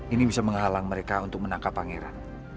ini bisa menghalang mereka untuk menangkap pangeran